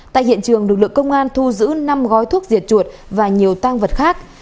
tại hiện trường lực lượng công an thu giữ năm gói thuốc diệt chuột và nhiều tang vật khác